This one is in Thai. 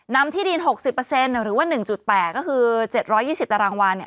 ที่ดิน๖๐หรือว่า๑๘ก็คือ๗๒๐ตารางวาเนี่ย